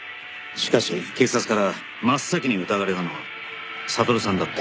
しかし警察から真っ先に疑われたのは悟さんだった。